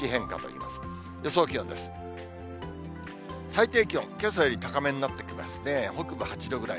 最低気温、けさより高めになってきますね。